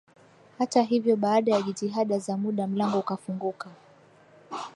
Hata hivyo baada ya jitihada za muda mlango ukafunguka